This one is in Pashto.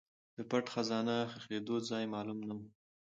د پټ خزانه ښخېدو ځای معلوم نه و.